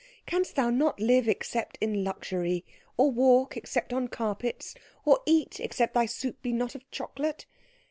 Canst thou not live, except in luxury? Or walk, except on carpets? Or eat, except thy soup be not of chocolate?